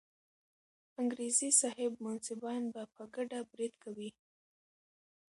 انګریزي صاحب منصبان به په ګډه برید کوي.